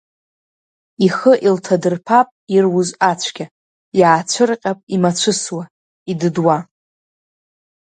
Ихы илҭадырԥап ируз ацәгьа, иаацәырҟьап имацәысуа, идыдуа.